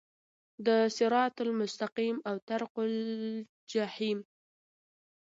د صراط المستقیم او طریق الجحیم